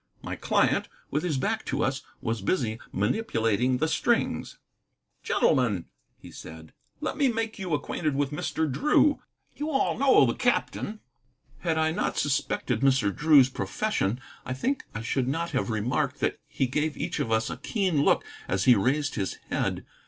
My client, with his back to us, was busy manipulating the strings. "Gentlemen," he said, "let me make you acquainted with Mr. Drew. You all know the captain." Had I not suspected Mr. Drew's profession, I think I should not have remarked that he gave each of us a keen look as he raised his head.